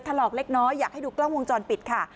ถลอกเล็กน้อยอยากให้ดูกล้องวงจรปิดค่ะ